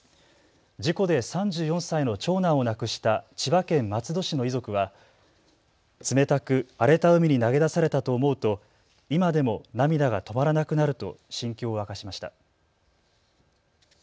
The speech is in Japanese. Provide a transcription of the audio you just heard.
事故で３４歳の長男を亡くした千葉県松戸市の遺族は冷たく荒れた海に投げ出されたと思うと今でも涙が止まらなくなると心境を明かしました。